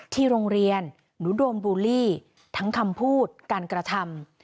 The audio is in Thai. ที่โรงเรียนหนูโดนบูลลี่ทั้งคำพูดการกระทำ